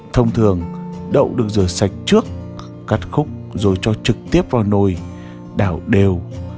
thông thường đậu được rửa sạch trước cắt khúc rồi cho trực tiếp vào nồi đảo đều